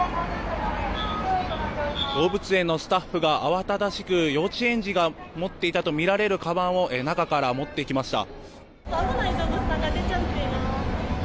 動物園のスタッフが慌ただしく幼稚園児が持っていたとみられるかばんを中から持ってきました。